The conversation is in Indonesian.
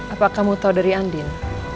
apa kamu tau dari andin